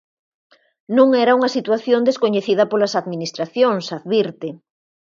Non era unha situación descoñecida polas administracións, advirte.